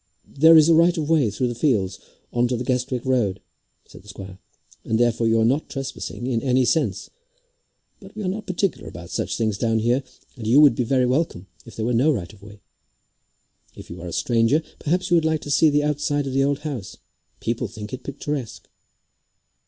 "There is a right of way through the fields on to the Guestwick road," said the squire, "and therefore you are not trespassing in any sense; but we are not particular about such things down here, and you would be very welcome if there were no right of way. If you are a stranger, perhaps you would like to see the outside of the old house. People think it picturesque."